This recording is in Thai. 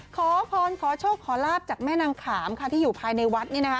ขอพรขอโชคขอลาบจากแม่นางขามค่ะที่อยู่ภายในวัด